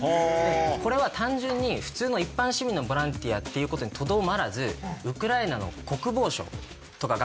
これは単純に普通の一般市民のボランティアってことにとどまらずウクライナの国防省とかが感謝するツイートとかもしてるんです。